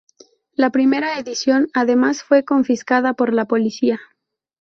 La primera edición, además, fue confiscada por la policía.